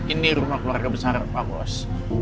ini rumah keluarga besar pak bos